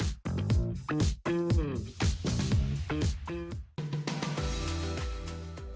gawai terbaik di dunia ini adalah smartphone yang terbaik di dunia ini